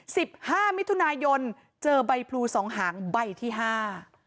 สิบห้ามิถุนายนเจอใบพลูสองหางใบที่ห้า